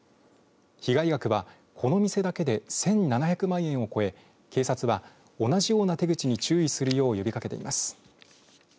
被害額は、この店だけで１７００万円を超え警察は同じような手口に注意するよう呼びかけています。